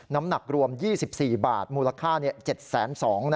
น้ำหนักรวม๒๔บาทมูลค่า๗๒๐๐บาท